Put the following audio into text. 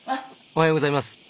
おはようございます。